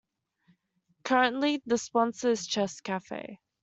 Currently, the sponsor is ChessCafe.